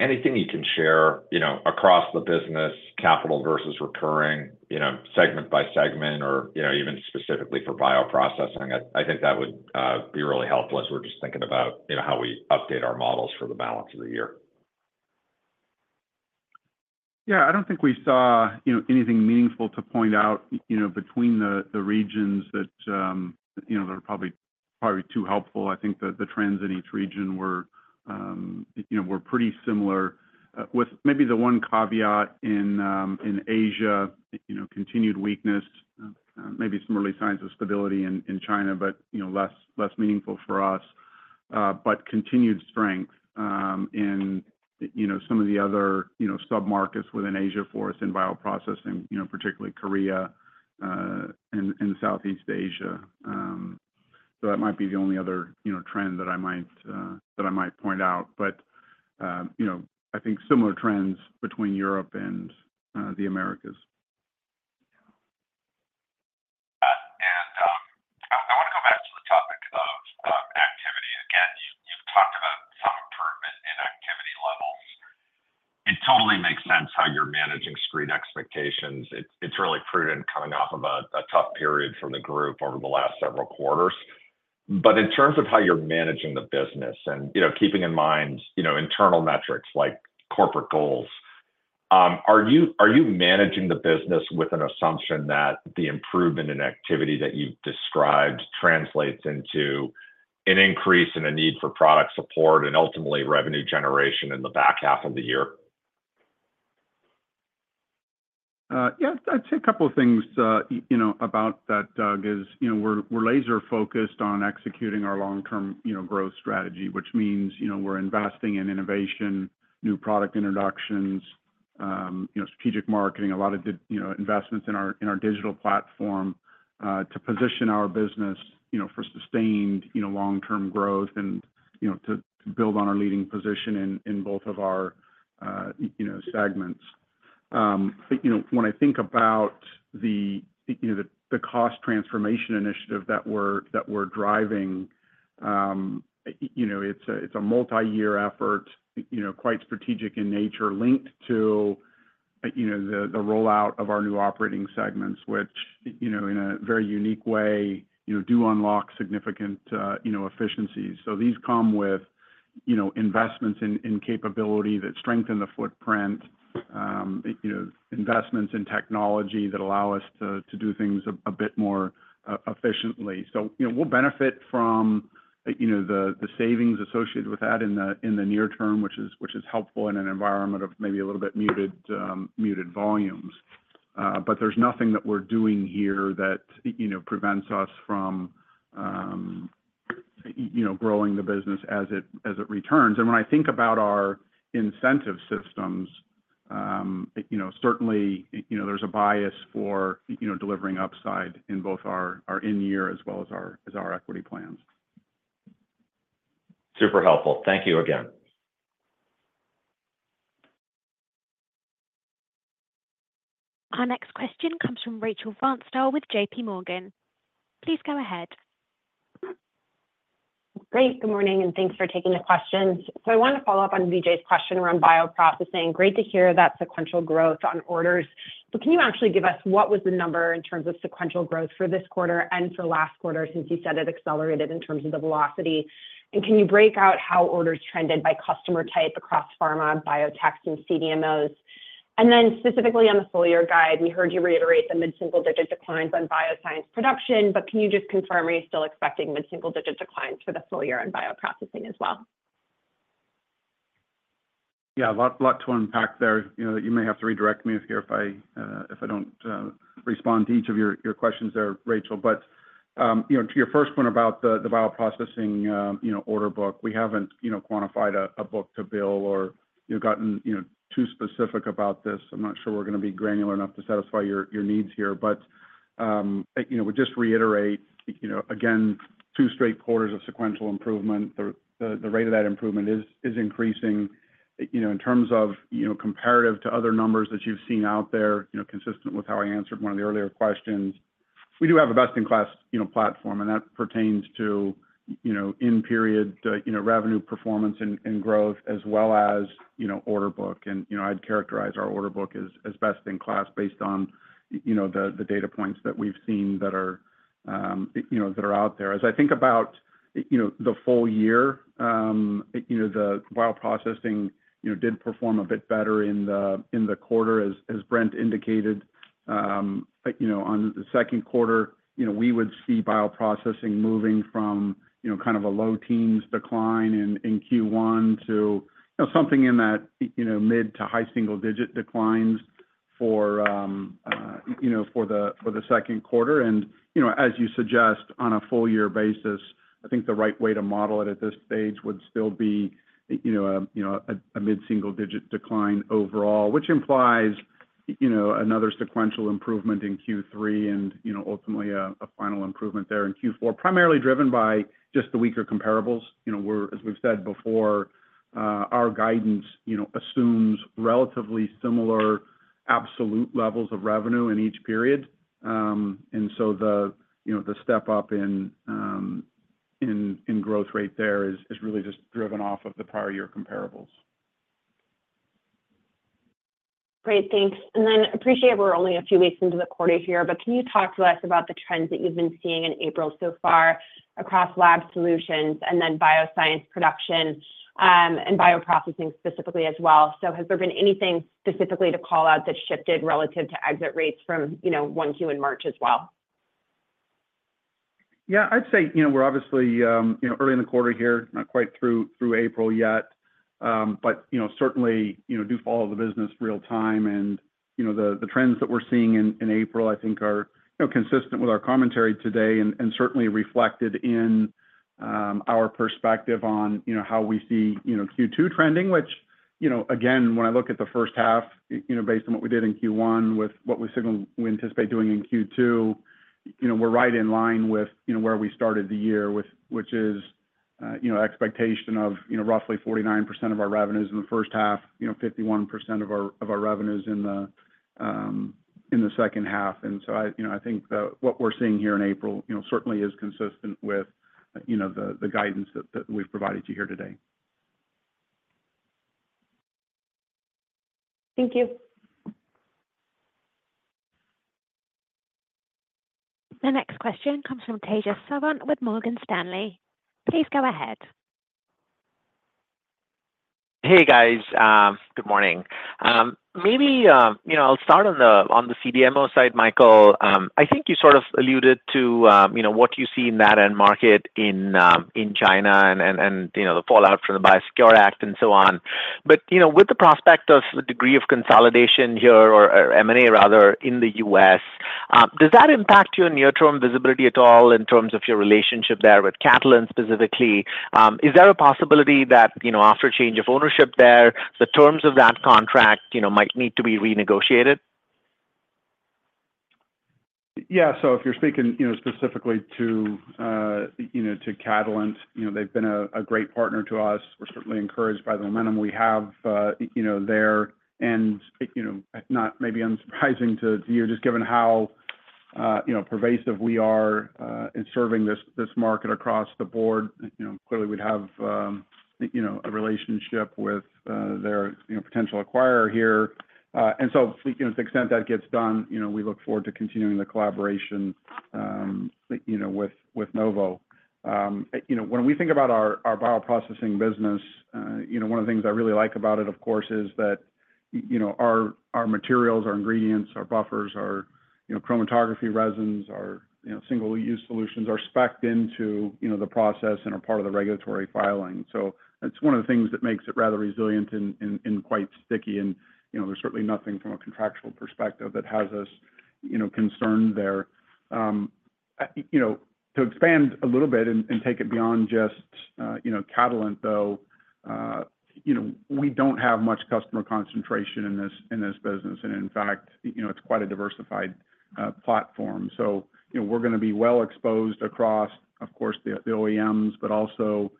anything you can share, you know, across the business, capital versus recurring, you know, segment by segment or, you know, even specifically for bioprocessing? I think that would be really helpful as we're just thinking about, you know, how we update our models for the balance of the year. Yeah, I don't think we saw, you know, anything meaningful to point out, you know, between the regions that, you know, that are probably too helpful. I think that the trends in each region were, you know, pretty similar, with maybe the one caveat in Asia, you know, continued weakness, maybe some early signs of stability in China, but, you know, less meaningful for us. But continued strength in, you know, some of the other, you know, submarkets within Asia for us in bioprocessing, you know, particularly Korea, and Southeast Asia. So that might be the only other, you know, trend that I might point out. But, you know, I think similar trends between Europe and the Americas. Got it. And, I want to go back to the topic of activity. Again, you, you've talked about some improvement in activity levels. It totally makes sense how you're managing spend expectations. It's, it's really prudent coming off of a, a tough period for the group over the last several quarters. But in terms of how you're managing the business and, you know, keeping in mind, you know, internal metrics like corporate goals, are you managing the business with an assumption that the improvement in activity that you've described translates into an increase in the need for product support and ultimately revenue generation in the back half of the year? Yeah, I'd say a couple of things, you know, about that, Doug, is, you know, we're laser-focused on executing our long-term, you know, growth strategy, which means, you know, we're investing in innovation, new product introductions, you know, strategic marketing, a lot of the, you know, investments in our digital platform, to position our business, you know, for sustained, you know, long-term growth and, you know, to build on our leading position in both of our, you know, segments. You know, when I think about the, you know, the cost transformation initiative that we're driving, you know, it's a multi-year effort, you know, quite strategic in nature, linked to... You know, the rollout of our new operating segments, which, you know, in a very unique way, you know, do unlock significant efficiencies. So these come with, you know, investments in capability that strengthen the footprint, investments in technology that allow us to do things a bit more efficiently. So, you know, we'll benefit from the savings associated with that in the near term, which is helpful in an environment of maybe a little bit muted volumes. But there's nothing that we're doing here that, you know, prevents us from growing the business as it returns. When I think about our incentive systems, you know, certainly, you know, there's a bias for, you know, delivering upside in both our in-year as well as our equity plans. Super helpful. Thank you again. Our next question comes from Rachel Vatnsdal with JPMorgan. Please go ahead. Great. Good morning, and thanks for taking the questions. So I wanted to follow up on Vijay's question around bioprocessing. Great to hear that sequential growth on orders, but can you actually give us what was the number in terms of sequential growth for this quarter and for last quarter, since you said it accelerated in terms of the velocity? And can you break out how orders trended by customer type across pharma, biotechs, and CDMOs? And then specifically on the full year guide, we heard you reiterate the mid-single-digit declines on Bioscience Production, but can you just confirm, are you still expecting mid-single-digit declines for the full year in bioprocessing as well? Yeah, a lot, a lot to unpack there. You know, you may have to redirect me here if I, if I don't respond to each of your, your questions there, Rachel. But, you know, to your first point about the bioprocessing, you know, order book, we haven't, you know, quantified a book-to-bill or, you know, gotten, you know, too specific about this. I'm not sure we're going to be granular enough to satisfy your, your needs here. But, you know, we just reiterate, you know, again, two straight quarters of sequential improvement. The rate of that improvement is increasing. You know, in terms of, you know, comparative to other numbers that you've seen out there, you know, consistent with how I answered one of the earlier questions, we do have a best-in-class, you know, platform, and that pertains to, you know, in period, you know, revenue performance and growth as well as, you know, order book. And, you know, I'd characterize our order book as best in class based on, you know, the data points that we've seen that are, you know, that are out there. As I think about, you know, the full year, you know, the bioprocessing, you know, did perform a bit better in the quarter, as Brent indicated. You know, on the second quarter, you know, we would see bioprocessing moving from, you know, kind of a low-teens decline in Q1 to, you know, something in that, you know, mid- to high-single-digit declines for the second quarter. You know, as you suggest, on a full year basis, I think the right way to model it at this stage would still be, you know, a mid-single-digit decline overall, which implies, you know, another sequential improvement in Q3 and, you know, ultimately a final improvement there in Q4, primarily driven by just the weaker comparables. You know, we're as we've said before, our guidance, you know, assumes relatively similar absolute levels of revenue in each period. And so the, you know, the step up in growth rate there is really just driven off of the prior year comparables. Great, thanks. And then appreciate we're only a few weeks into the quarter here, but can you talk to us about the trends that you've been seeing in April so far across Lab Solutions and then Bioscience Production, and bioprocessing specifically as well? Has there been anything specifically to call out that shifted relative to exit rates from, you know, 1Q in March as well? Yeah, I'd say, you know, we're obviously, you know, early in the quarter here, not quite through April yet. But, you know, certainly, you know, do follow the business real-time. And, you know, the trends that we're seeing in April, I think are, you know, consistent with our commentary today and certainly reflected in our perspective on, you know, how we see, you know, Q2 trending. Which, you know, again, when I look at the first half, you know, based on what we did in Q1 with what we anticipate doing in Q2, you know, we're right in line with, you know, where we started the year, which is, you know, expectation of, you know, roughly 49% of our revenues in the first half, you know, 51% of our revenues in the second half. And so I, you know, I think what we're seeing here in April, you know, certainly is consistent with, you know, the guidance that we've provided to you here today. Thank you. The next question comes from Tejas Savant with Morgan Stanley. Please go ahead. Hey, guys, good morning. Maybe, you know, I'll start on the CDMO side, Michael. I think you sort of alluded to, you know, what you see in that end market in China and, you know, the fallout from the Biosecure Act and so on. But, you know, with the prospect of a degree of consolidation here, or M&A rather, in the U.S., does that impact your near-term visibility at all in terms of your relationship there with Catalent specifically? Is there a possibility that, you know, after a change of ownership there, the terms of that contract, you know, might need to be renegotiated? Yeah. So if you're speaking, you know, specifically to Catalent, you know, they've been a great partner to us. We're certainly encouraged by the momentum we have, you know, there. And, you know, not maybe unsurprising to you, just given how pervasive we are in serving this market across the board. You know, clearly, we'd have a relationship with their potential acquirer here. And so to the extent that gets done, you know, we look forward to continuing the collaboration, you know, with Novo. You know, when we think about our bioprocessing business, you know, one of the things I really like about it, of course, is that, you know, our materials, our ingredients, our buffers, you know, chromatography resins, our single-use solutions are spec'd into, you know, the process and are part of the regulatory filing. So it's one of the things that makes it rather resilient and quite sticky and, you know, there's certainly nothing from a contractual perspective that has us, you know, concerned there. You know, to expand a little bit and take it beyond just, you know, Catalent, though, you know, we don't have much customer concentration in this business, and in fact, you know, it's quite a diversified platform. So, you know, we're going to be well exposed across, of course, the OEMs, but also,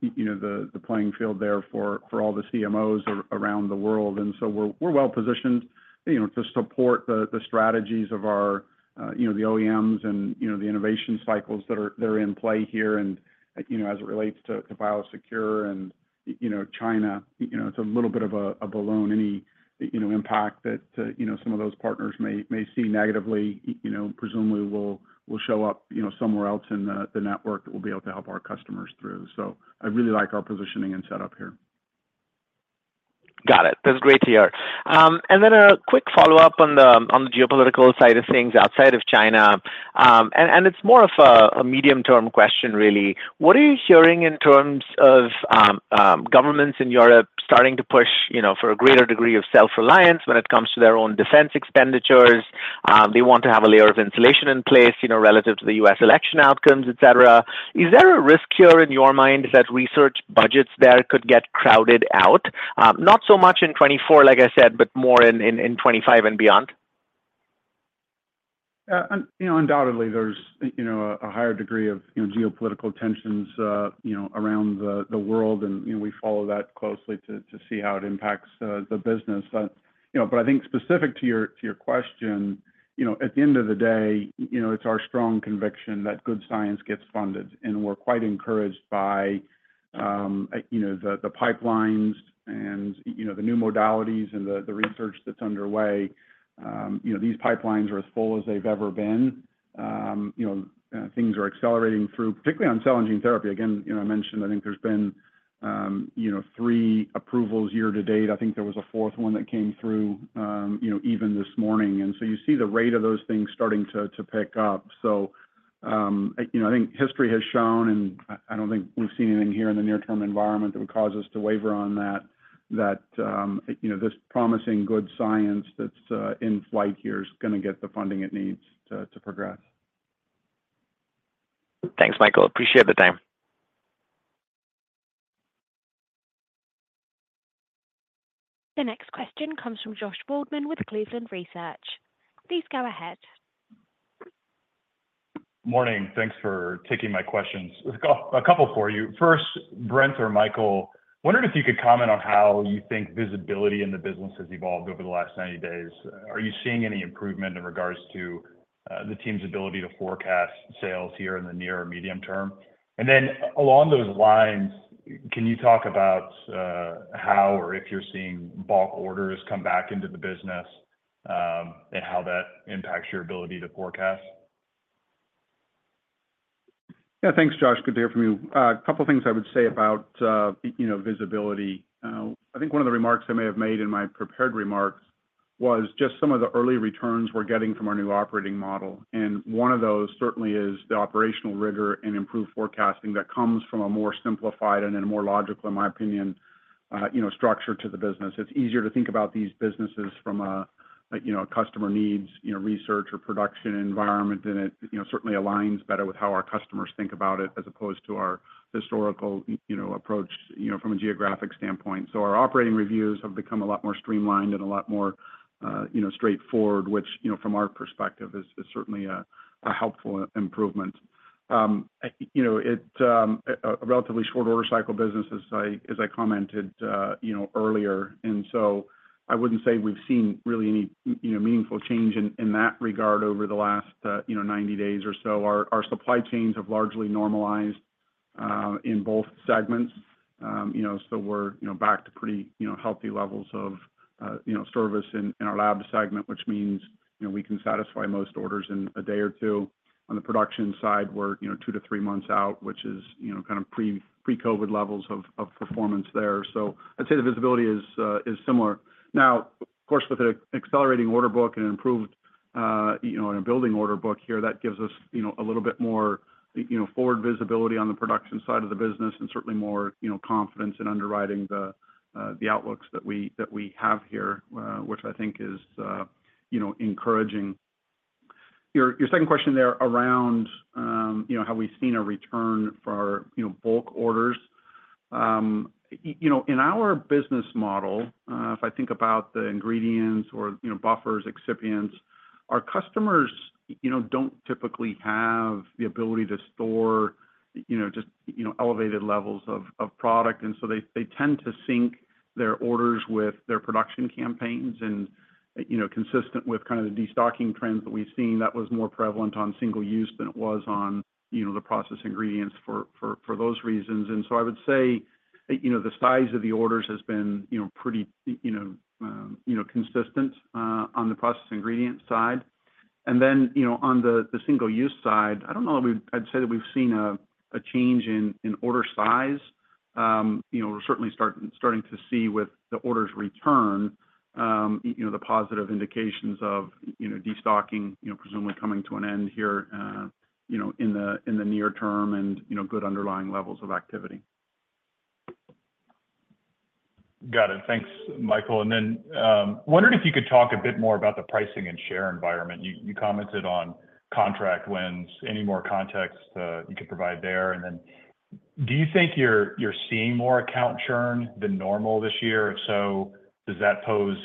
you know, the playing field there for all the CMOs around the world. And so we're well positioned, you know, to support the strategies of our, you know, the OEMs and, you know, the innovation cycles that are in play here. And, you know, as it relates to BioSecure and, you know, China, you know, it's a little bit of a balloon, any impact that, you know, some of those partners may see negatively, you know, presumably will show up, you know, somewhere else in the network that we'll be able to help our customers through. So I really like our positioning and setup here. Got it. That's great to hear. And then a quick follow-up on the geopolitical side of things outside of China. And it's more of a medium-term question, really. What are you hearing in terms of governments in Europe starting to push, you know, for a greater degree of self-reliance when it comes to their own defense expenditures? They want to have a layer of insulation in place, you know, relative to the U.S. election outcomes, et cetera. Is there a risk here in your mind that research budgets there could get crowded out? Not so much in 2024, like I said, but more in 2025 and beyond. Yeah, and, you know, undoubtedly there's, you know, a higher degree of, you know, geopolitical tensions, you know, around the world, and, you know, we follow that closely to see how it impacts the business. But, you know, but I think specific to your question, you know, at the end of the day, you know, it's our strong conviction that good science gets funded, and we're quite encouraged by, you know, the pipelines and, you know, the new modalities and the research that's underway. You know, these pipelines are as full as they've ever been. You know, things are accelerating through, particularly on cell and gene therapy. Again, you know, I mentioned, I think there's been, you know, three approvals year to date. I think there was a fourth one that came through, you know, even this morning. And so you see the rate of those things starting to pick up. So, you know, I think history has shown, and I don't think we've seen anything here in the near term environment that would cause us to waver on that, you know, this promising good science that's in flight here is going to get the funding it needs to progress. Thanks, Michael. Appreciate the time. The next question comes from Josh Waldman with Cleveland Research. Please go ahead. Morning. Thanks for taking my questions. I've got a couple for you. First, Brent or Michael, wondered if you could comment on how you think visibility in the business has evolved over the last 90 days. Are you seeing any improvement in regards to the team's ability to forecast sales here in the near or medium term? And then along those lines, can you talk about how or if you're seeing bulk orders come back into the business, and how that impacts your ability to forecast? Yeah. Thanks, Josh. Good to hear from you. A couple of things I would say about, you know, visibility. I think one of the remarks I may have made in my prepared remarks was just some of the early returns we're getting from our new operating model, and one of those certainly is the operational rigor and improved forecasting that comes from a more simplified and a more logical, in my opinion, you know, structure to the business. It's easier to think about these businesses from a, you know, a customer needs, you know, research or production environment, and it, you know, certainly aligns better with how our customers think about it, as opposed to our historical, you know, approach, you know, from a geographic standpoint. Our operating reviews have become a lot more streamlined and a lot more you know, straightforward, which you know, from our perspective, is certainly a helpful improvement. You know, it's a relatively short order cycle business, as I commented you know, earlier, and so I wouldn't say we've seen really any you know, meaningful change in that regard over the last you know, 90 days or so. Our supply chains have largely normalized in both segments. You know, so we're you know, back to pretty you know, healthy levels of you know, service in our lab segment, which means you know, we can satisfy most orders in a day or two. On the production side, we're, you know, two to three months out, which is, you know, kind of pre-COVID levels of performance there. So I'd say the visibility is similar. Now, of course, with the accelerating order book and improved, you know, and a building order book here, that gives us, you know, a little bit more, you know, forward visibility on the production side of the business, and certainly more, you know, confidence in underwriting the outlooks that we have here, which I think is, you know, encouraging. Your second question there around, you know, have we seen a return for, you know, bulk orders? You know, in our business model, if I think about the ingredients or, you know, buffers, excipients, our customers, you know, don't typically have the ability to store, you know, just, you know, elevated levels of product, and so they tend to sync their orders with their production campaigns. And, you know, consistent with kind of the destocking trends that we've seen, that was more prevalent on single use than it was on, you know, the process ingredients for those reasons. And so I would say, you know, the size of the orders has been, you know, pretty, you know, consistent on the process ingredient side. And then, you know, on the single use side, I don't know if we've, I'd say that we've seen a change in order size. You know, we're certainly starting to see with the orders return, you know, the positive indications of, you know, destocking, you know, presumably coming to an end here, you know, in the, in the near term and, you know, good underlying levels of activity. Got it. Thanks, Michael. And then, wondering if you could talk a bit more about the pricing and share environment. You commented on contract wins. Any more context you could provide there? And then do you think you're seeing more account churn than normal this year? If so, does that pose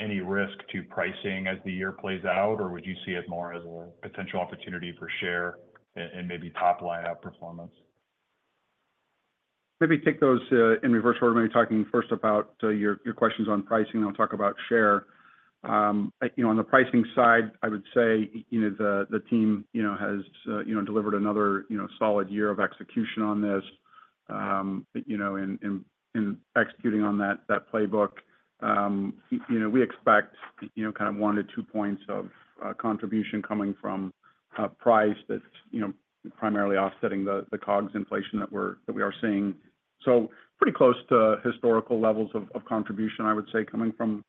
any risk to pricing as the year plays out, or would you see it more as a potential opportunity for share and maybe top line outperformance? Maybe take those in reverse order, maybe talking first about your questions on pricing, then I'll talk about share. You know, on the pricing side, I would say, you know, the team has delivered another solid year of execution on this, you know, in executing on that playbook. You know, we expect, you know, kind of 1-2 points of contribution coming from price that's, you know, primarily offsetting the COGS inflation that we are seeing. So pretty close to historical levels of contribution, I would say, coming from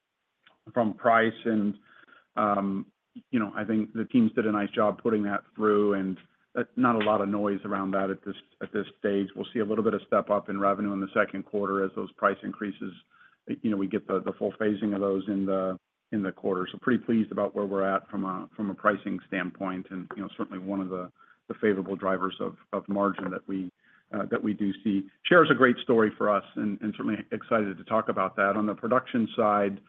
price and, you know, I think the teams did a nice job putting that through, and not a lot of noise around that at this stage. We'll see a little bit of step-up in revenue in the second quarter as those price increases, you know, we get the full phasing of those in the quarter. So pretty pleased about where we're at from a pricing standpoint and, you know, certainly one of the favorable drivers of margin that we do see. Share is a great story for us and certainly excited to talk about that. On the production side,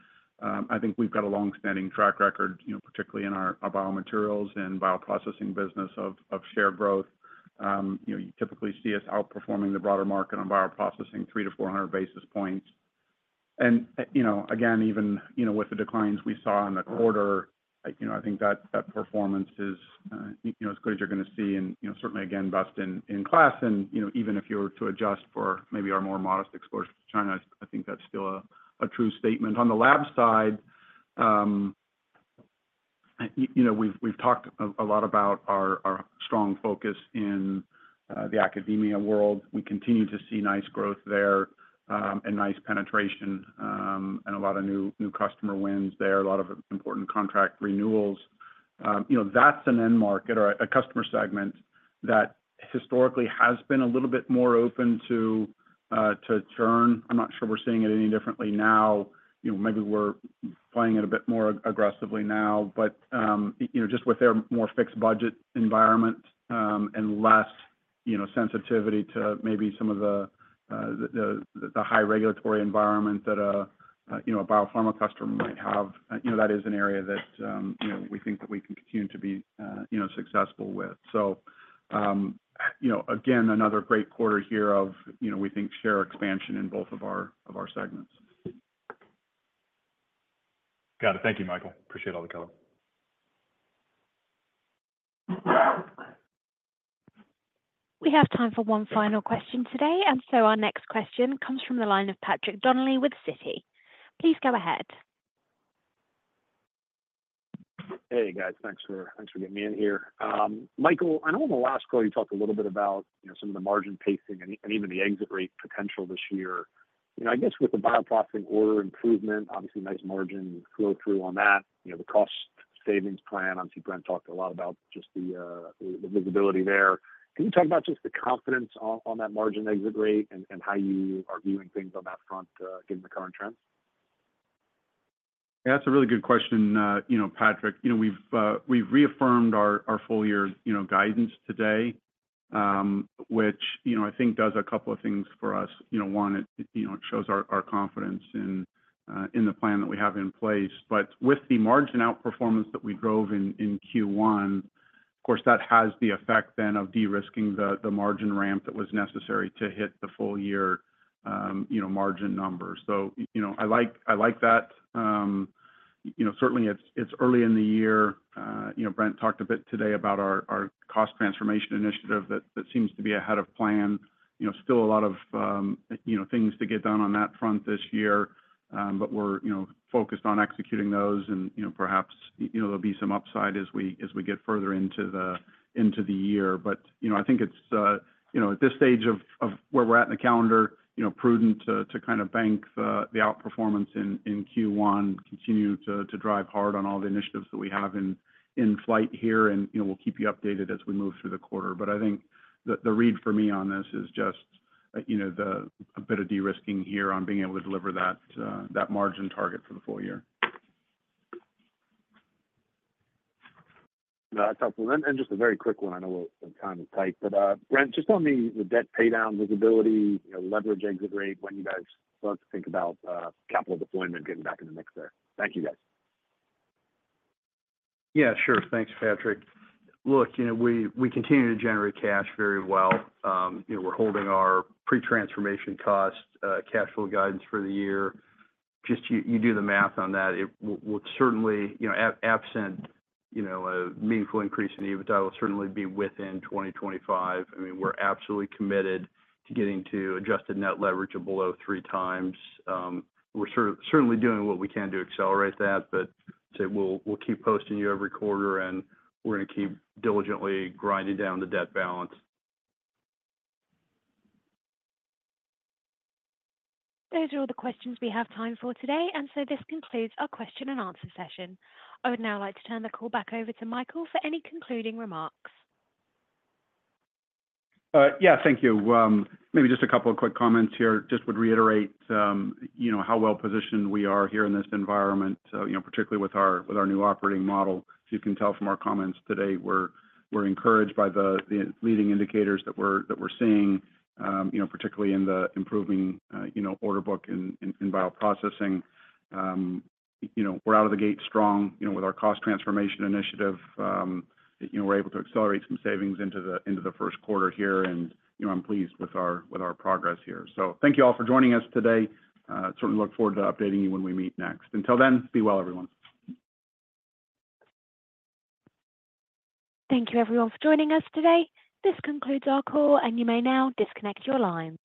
I think we've got a long-standing track record, you know, particularly in our biomaterials and bioprocessing business of share growth. You know, you typically see us outperforming the broader market on bioprocessing, 300-400 basis points. You know, again, even, you know, with the declines we saw in the quarter, you know, I think that performance is, you know, as good as you're going to see, and, you know, certainly again, best in class. You know, even if you were to adjust for maybe our more modest exposure to China, I think that's still a true statement. On the lab side, you know, we've talked a lot about our strong focus in the academia world. We continue to see nice growth there, and nice penetration, and a lot of new customer wins there, a lot of important contract renewals. You know, that's an end market or a customer segment that historically has been a little bit more open to churn. I'm not sure we're seeing it any differently now. You know, maybe we're playing it a bit more aggressively now, but, you know, just with their more fixed budget environment, and less, you know, sensitivity to maybe some of the, the high regulatory environment that a, you know, a biopharma customer might have, you know, that is an area that, you know, we think that we can continue to be, you know, successful with. So, you know, again, another great quarter here of, you know, we think, share expansion in both of our, of our segments. Got it. Thank you, Michael. Appreciate all the color. We have time for one final question today, and so our next question comes from the line of Patrick Donnelly with Citi. Please go ahead. Hey, guys. Thanks for, thanks for getting me in here. Michael, I know on the last call, you talked a little bit about, you know, some of the margin pacing and even the exit rate potential this year. You know, I guess with the bioprocessing order improvement, obviously, nice margin flow-through on that, you know, the cost savings plan. Obviously, Brent talked a lot about just the visibility there. Can you talk about just the confidence on that margin exit rate and how you are viewing things on that front, given the current trends? Yeah, that's a really good question, you know, Patrick. You know, we've reaffirmed our full year, you know, guidance today, which, you know, I think does a couple of things for us. You know, it shows our confidence in the plan that we have in place. But with the margin outperformance that we drove in Q1, of course, that has the effect then of de-risking the margin ramp that was necessary to hit the full year margin number. So, you know, I like that. You know, certainly it's early in the year. You know, Brent talked a bit today about our cost transformation initiative that seems to be ahead of plan. You know, still a lot of things to get done on that front this year, but we're focused on executing those. And, you know, perhaps there'll be some upside as we get further into the year. But, you know, I think it's, you know, at this stage of where we're at in the calendar, you know, prudent to kind of bank the outperformance in Q1, continue to drive hard on all the initiatives that we have in flight here. And, you know, we'll keep you updated as we move through the quarter. But I think the read for me on this is just, you know, a bit of de-risking here on being able to deliver that margin target for the full year. That's helpful. Just a very quick one. I know we're kind of tight, but Brent, just on the debt paydown visibility, you know, leverage exit rate, when you guys start to think about capital deployment getting back in the mix there. Thank you, guys. Yeah, sure. Thanks, Patrick. Look, you know, we continue to generate cash very well. You know, we're holding our pre-transformation cost cash flow guidance for the year. Just you do the math on that, it will certainly, you know, absent, you know, a meaningful increase in EBITDA, will certainly be within 2025. I mean, we're absolutely committed to getting to adjusted net leverage of below 3x. We're certainly doing what we can to accelerate that, but I'd say we'll keep posting you every quarter, and we're going to keep diligently grinding down the debt balance. Those are all the questions we have time for today, and so this concludes our question and answer session. I would now like to turn the call back over to Michael for any concluding remarks. Yeah, thank you. Maybe just a couple of quick comments here. Just would reiterate, you know, how well-positioned we are here in this environment, you know, particularly with our new operating model. As you can tell from our comments today, we're encouraged by the leading indicators that we're seeing, you know, particularly in the improving order book in bioprocessing. You know, we're out of the gate strong, you know, with our cost transformation initiative. You know, we're able to accelerate some savings into the first quarter here, and, you know, I'm pleased with our progress here. So thank you all for joining us today. Certainly look forward to updating you when we meet next. Until then, be well, everyone. Thank you, everyone, for joining us today. This concludes our call, and you may now disconnect your lines.